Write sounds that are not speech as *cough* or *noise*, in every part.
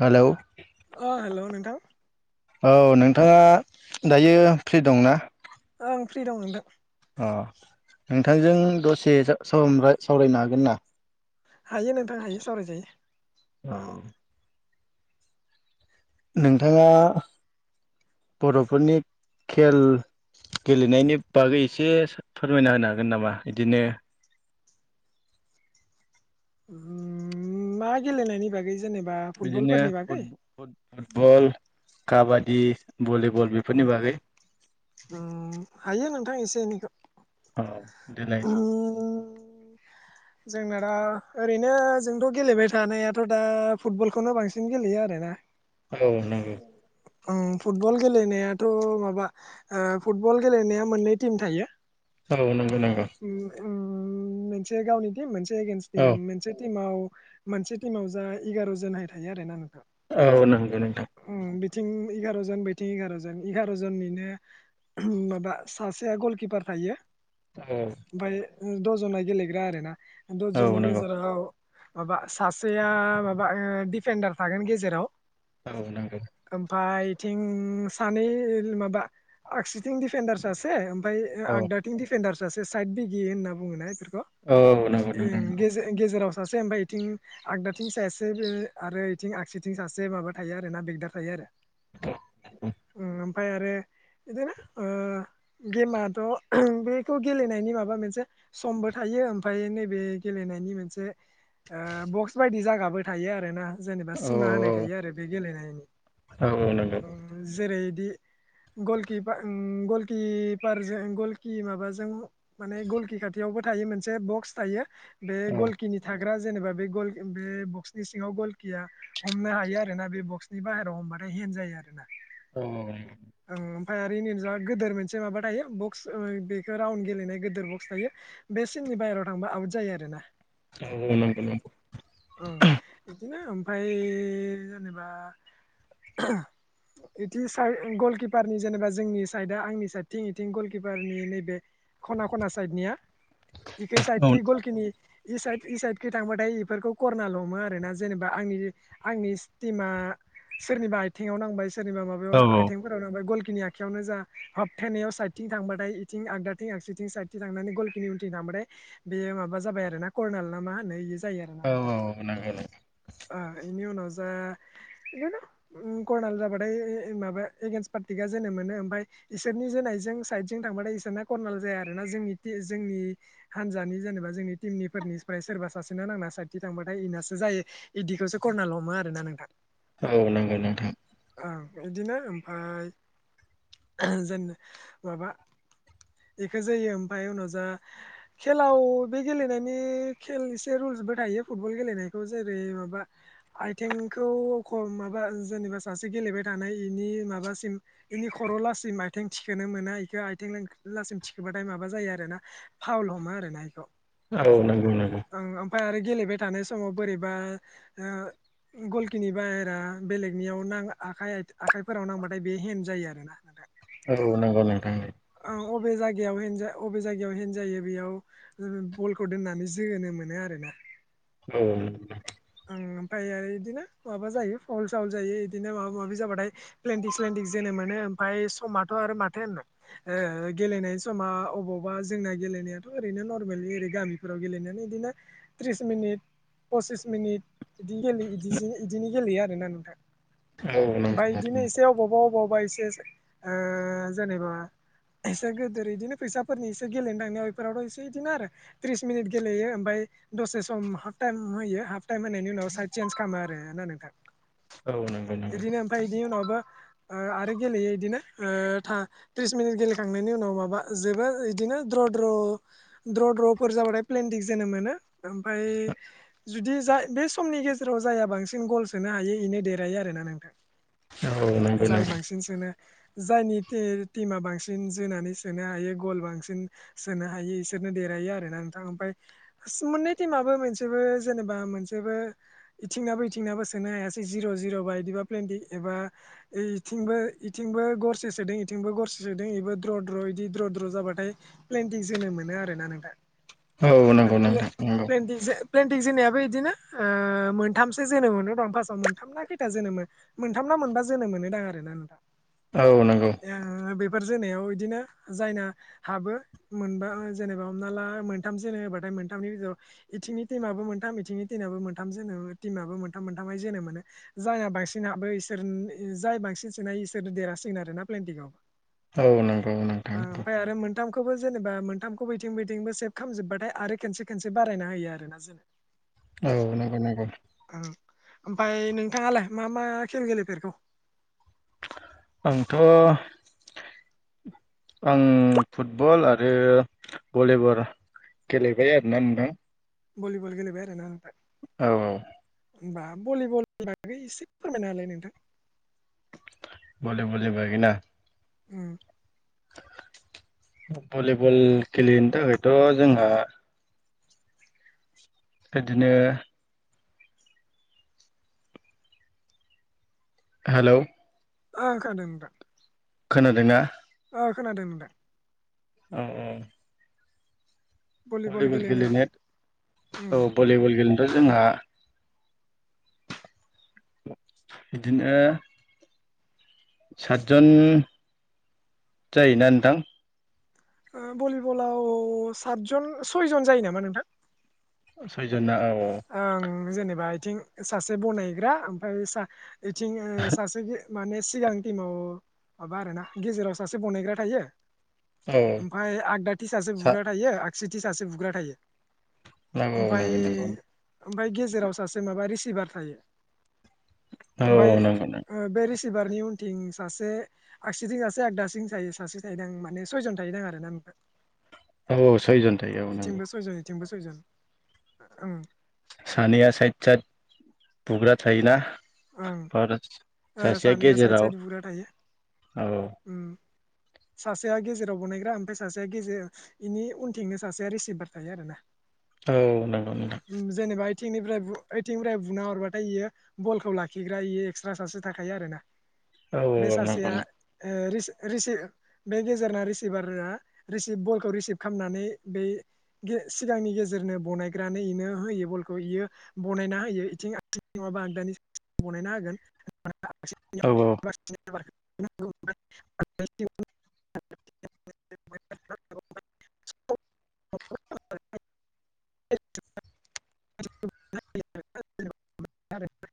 Hello अ हेल' नोंथां औ नोंथाङा दायो फ्रि दंना आं फ्रि दं नोंथां अ नोंथांजों दसे सावरायनो हागोन ना हायो नोंथां हायो सावराय जायो। औ नोंथाङा बर'फोरनि खेल गेलेनायनि बागै एसे फोरमायना होनो हागोन नामा बिदिनो मा गेले ननायनि बागै जेनेबा बिदिनो फुटबलफोरनि बागै फुटबल काबादि भलिब हायो नोंथां एसे एनैखौ औ दिलाय जोंना दा ओरैनो जोंथ' गेलेबाय थानायाथ' दा फुटबलखौनो बांसिन गेलेयो आरोना औ नंगौ औ फुटबल गेलेनायाथ' माबा फुटबल गेलेनाया मोननै टिम थायो। औ नंगौ नंगौ उ मोनसे गावनि मोनसे एगेन्स्ट औ टिम मोनसे टिमाव मोनसे टिमाव जा एगार' जनहाय थायो आरो ना नों औ नंगौ नोंथां थिं एगार' जन बैथिं एगार'जन एगार' जननिनो माबा सासेया गलकिपार थायो। औ ओमफ्राय दसजना गेलेग्रा आरो ना औ दसजननि नंगौ गेजेराव माबा सासेया माबा दिडिफेडार थागोन गेजेराव औ नंगौ ओमफ्राय बिथिं सानै माबा आगसिथिं दिडफेन्दार सासे ओमफ्राय औ आगदाथिं दिडफेनदार सासे साइड दिबिये होनना बुङोना इसोर औ नंगौ नोंथां गेज गेजेराव सासे ओमफ्राय इथिं आगदाथिं सासे आरो इथिं आगसिथिं सासे माबा थायो आरोना बिगदार थायो आरो *inaudible* ओमफ्राय आरो इदिनो ओ गेमाथ' बे खौ गेलेनायनि माबा मोनसे समबो थायो ओमफ्राय नैबे गेलेनायनि मोनसे ओ बक्स बायदि जागाबो थायो आरो ना जेनेबा औ सिमा होनाय औ थायो आरो बे गेलेनायनि औ औ नंगौ जेरै इ गलकिपा ओम गलकिपारजों गलकि माबा जों माने गलकि खाथियावबो थायो मोनसे बक्स थायो बे औ गलकिनि था हग्रा जेनेबा बे गल बे बक्सनि सिङाव गलकिया हमनो हायो आरोना बे बक्सनि बाहेरायाव हमबा ओमफाय हेन जायो आरोना। औ फायारि इं जा गोदोर मोनसे माबा थायो बक्स ओ बे खो राउन्ड गेलेनाय गोदोर बक्स थायो बे सिननि बाहेरायाव थांबा आउट जायो आरोना। औ नंगौ नंगौ ओ बिदिनो ओमफ्राय जेनेबा इथिं साइ गलकिपारनि जेनेबा जोंनि साइदआ आंनि साइडथिं इथिं गलकिपारनि नैबे खना खना साइदनिया इखै औ साइदथि गलखिनि इ साइद इ साइदखै थांबाथाय इफोरखौ करनाल हमो आरोना जेनेबा आंनि आंनि टिमा सोरनिबा आथिङाव नांबाय सोरनिबा औ माबायाव आइथिंफोरावनो गलखिनि आखयावनो जा हाबथेनायाव साइदथिं थांबाथाय इथिं आगदा थिं आगसिथिं साइदथिं थांनानै गलखिनि उनथिं थांबाथाय बेयो माबा जाबाय आरो ना कर्नाल नामा होनो यो जायो आरोना औ नोंथां नंगौ नंगौ ओ इनि उनाव ओ इदिनो करनाल जाबाथाय माबा एगेन्स्ट पार्टिया जोनो मोनो ओमफ्राय इसोरनि जोनायजों साइद जों थांबाथाय इसोरना करर्नाल जाया आरोना जोंनि ति जोंनि हानजानि जेनेबा जोंनि टिमनि फोरनिफ्राय सोरबा सासेनो नांनानै साइथि थांबाथाय इनासो जायो इदिखौसो करर्नाल हमो आरोना नोंथां। औ नांगौ नोंथां। ओं बिदिनो ओमफ्राय जेन माबा बेखौ जायो ओमफफ्राय उनाव जा खेलाव बे गेलेनायनि खेल एसे रुल थायो फुटबल गेलेनायखौ जेरै माबा आथिंखौ माबा जेनेबा सासे से गेलेबाय थानाय बेनि माबासिम बेनि खर'लासिम आथिं थिखोनो मोना बेखौ आथिं लासिम थिखोबाथाय माबा जायो आरो ना फावल हमो आरोना बेखौ। औ नंगौ नंगौ। ओमफ्राय आरो गेलेबाय थानाय समाव बोरैबा ओ गलखिनि बाहेरा बेलेगनियाव आखाइ आखाइफोराव नांबाथाय बे हेेन जायो आरो ना नोंथां। औ नंगौ नोंथां उम। अबे जायगायाव हेनजायो बेयाव बलखौ दोननानै जोनो मोनो आरो। *inaudible* औ। ओमफ्राय आरो बिदिनो माबा जायो फावल सावल जायो इदिनो माबा माबि जाबाथाय प्लेेनटिक स्लेेनटिक जोनो मोनो ओमफ्राय समाथ' आरो माथो होननो गेलेनाय समा अबावबा जोंना गेलेनाय थ' ओरैनो नरमेलि ओरै गामिफोराव गेलेनाया इदिनो त्रिस मिनित पसिस मिनिट बिदिनो गेलेयो बिदि बिदिनो गेलेयो आरोना नोंथां। नंगौ ओमफ्राय नोंथां बिदिनो एसे अबावबा अबावबा एसे ओ जेनेबा एसे गोदोर इदिनो फैसाफोरनि इसे गेलेनो थांनायाव बेफोरावथ' इसे इदिनो आरो त्रिस मिनिट गेलेयो ओमफ्राय दसे सम हाफ टाइम होयो हाफ टाइम होनायनि उनाव साइद सेन्ज खालामो आरो ना नोंथां। औ नंगौ नंगौ बिदिनो ओमफ्राय बिनि उनावबो आरो गेलेयो बिदिनो थ्रिस मिनिट गेलेखांनायनि उनाव माबा जोबोोर बिदिनो नो दद्र द्रद्र जाबाथाय प्लेनदिक जोन मोनो ओमफफ्राय जुदि बे समनि गेजेराव जायहा बांसिन गल सोनो हायो बेनो देरहायो आरोना नोंथां औ नंगौ जाय नंगौ बांसिन सोनो जायनि टिमा बांसिन जोनानै सोनो हायो गल बांसिन सोनो हायो इसोर देरहायो आरोना नोंथ मोन्नै थिमाबो बिदिनो जेनेबा मोनसेबो जेबा मोन जेबो इथिंनाबो इथिंनाबो सोनो हायासै जिर' जिर' बा बिदिबा प्लेनदिं एबा ओइ बिथिंबो इथिंबो गरसे सोदों इथिंबो गरसे सोदों बेबो द्र' द्र' बिदि द्र' द्र' जाबाथाय्लेन जोंनो मोनो आरो ना औ नोंथां नंगौ नोंथां नंगौ प्लेनदिं जोबनायावबो ओ। मोनथामसोोनोम मोनो दं फार्स्टआव मोनथामनाा खैथा जोनोमो मोनथाम ना मोनबा जोनोम मोनो दां आर ना नोंथां। औ नंगौ। बिफोर जोनायाव बिदिनो जायना हाबो मोनबा जेनेबा हमना ला मोनथाम जोनो होबाथाय मोनथामनि बिज बिथिंनि टिमाबबो मोनथाम इथिंनि *unintelligible* मोनथ जोन मोनो ज बांसिन हाबोसोर बांसिन सोननाय इसोर देरासिगोन आरोोना प्लेनटिकआवबो औ नंगौ औ नंथां नगौ। मोनथामखौबो जेनेबा मोनथामखौ बैथिं बैथिंबो सो खामजोबबाथाय आरो खनसे खनसे बारायना होयो आरोोना जेन औ नंगौ नंगौ। ओमफ्राय नोंथाङालाय मा मा खेल गेलेफेरखो आंथ'। आं फुटबल आरो भलिबल गेले बाया आरो ना नोंथां? बलिबल गेलेबाय आरोना ओमफ्राय। औ औ। होमबा बलिबलनि बागै एसे फोरमायना होलाय नोंथां? बल बल बग ना। *unintelligible* उम। भलिबल गेलेनो थाखायथ' जोंहा बिदिनो। हेलौ। ओं खोनादों नोंथां। खोनादों ना? ओ खोनादों नोंथां। औ औ। भलिबल गेलेनो उम औ भलिबल गेलेनोथ जोंहा बिदिनो सातजन जायोना नोंथां? ओ भलिबलाव सातजन सयजन जायो नामा नोंथां सयजना औ औ ओं जेनेबा इथिं सासे बनायग्रा ओमफ्राय एथिंओ सासेगो माने सिगां टिमाव माबा आरोना गेजेराव सासे बनायग्रा थायो औ ओमफाय आगदाथि ससे सात बुग्रा थायो आगसिथि ससे बुग्रा थायो नंगौ ओमफ्राय नोंगौ नंगौ। ओमफ्राय गेजेराव सासे माबा रिसिभार थायो औ ओमफाय औ नंगौ नंगौ ओ बे रिसि बारनि उनथिं सासे आगसिजों सासे आगदासिं थायो सासे थाहैदां माने सयजन थाहैदां आरो ना औ सयजन थायो औ नंगौ थिंबो सयजन ओ सानैया साइद साइद बुग्रा थायोना ओं ओ सासेया सानैया साइड गेजेराव साइड बुग्रा औ थायो सासेया गेजेराव बनायग्रा ओमफ्राय सासेया गेजेर बिनि उनथिंनो सासेया रिसिभार थायो आरोना औ नोंगौ नोंथां उम जेनेबा ओइथिंनिफ्राय बु ओइथिंनिफ्राय बुना हरबाथाय इयो बलखौ लाखिग्रा इयो एक्सट्रा साससे थाखायो आरो ना औ औ बे औ नंगौ सासेया ओ रिसिभ रिसि बे गेजेरना रिसिभारा रिसिभ बलखौ रिसिभ खालामनानै बै बे सिगांनि गेजेरनो बनायग्रानो इनो होयो बलखौ इयो बनायना होयो इथिं आथिं नंङाबा आग दानि *inaudible* बानायना होगोन औ ब *unintelligible* *unintelligible* *unintelligible* *unintelligible* *unintelligible*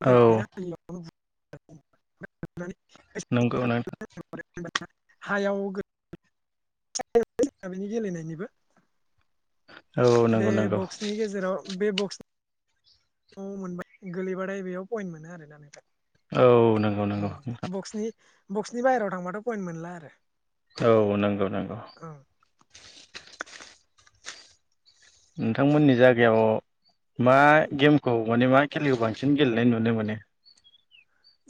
औ *unintelligible* नोंगौ नों *unintelligible* हायाव *unintelligible* बेनि गेलेनायनिबो औ बे नंगौ नंगौ बक्सनि गेजेराव बे ब औ मोनबाय गोलैबाथाय बेयाव पइन्ट मोनो आरोना नोंथां औ नोंगौ नोंगौ ओम नोंथां बक्सनि बक्सनि बाहेरायाव थांबाथ' पइन्ट मोनला आरो औ नंगौ नंगौ ओं नोंथांमोननि जायगायाव मा गेमखौ माने मा खेलिखौ बांसिन गेलेनाय नुनो मोनो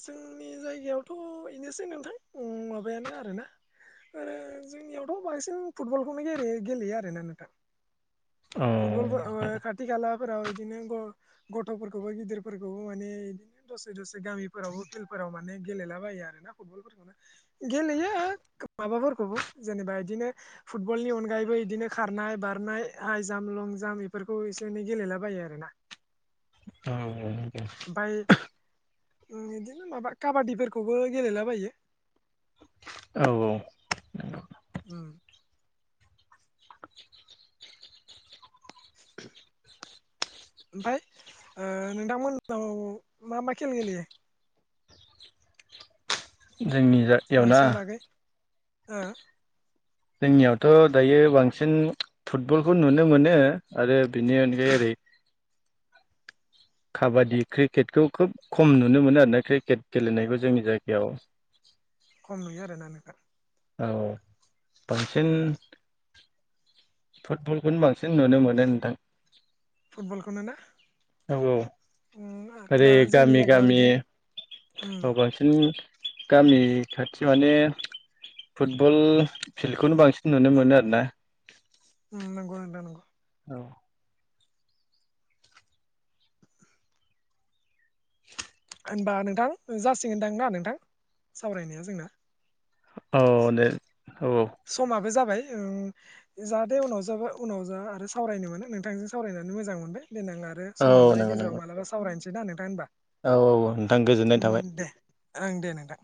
जोंनि जायगायावथ' बेनोसै नोंथां माबायानो आरोना आरो जोंनियावथ' बांसिन फुटबलखौनो गेले गेलेयो आरोना नोंथा औ फुटबल खा्थि खला फोराव बिदिनो ग गथ'फोरखौबो गिदिरफोरखौबो माने बिदिनो दसे दसे गामिफोरावबो फिलप म गेलेला बोना फुटबल गेलेयो माबाबो जेनेबा बिदिनो फुटबलनि अनगायैबो बिदिनो खारनाय बारनाय जाम्प लं जाम्प बेफोरखौ एसे एनै गेलेला बायो आरोना औ औ ओमफ्राय बिदिनो माबा काबादिफोरखौबो गेलेलाबायो औ औगौ उ *inaudible* *inaudible* *inaudible* ओमफ्राय नोंथांमोनाव मा मा खेल गेलेयो जोंनि जायाव ना हो जोंनियावथ' दायो बांसिन फुटबलखौ नुनो मोनो आरो बिदिेख काबादि क्रिकेटखौ खोब खम नुनो मोनो आरोना क्रिकेट गेलेनायखौ जोंनि जायगायाव *inaudible* खम नुयो आरोना नोंथां औ बांसिन फुटबलखौनो बांसिन नुनो मोनो नोंथां फुटबलखौनो ना औ औ उम आरो ओरै दाना जोंनि गामि जायगायाव गामि बिदि उम औ बांसिन गामि खाथियाव माने फुटबल फिल्डखौनो बांसिन नुनो मोनो आरो ना उम नंगौ नोंथां नंगौ औ होनबा नोंथां जासिगोनदां ना नोंथां सावरायनाया जोंना औ दे औ समाबो जाबाय ओं जाहाथे जाबा उनाव जा आरो सावरायनो मोनो नोंथांजों सावरायनानै मोजां मोनबाय देनां आरो औ सम मोनबाथाय नंगौ गेजेराव नंगौ मालाबा सावरायनोसैदां नोंथां होनबा औ औ औ नोंथां गोजोननाय उम थाबाय दे ओं दे नोंथां